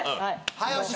早押し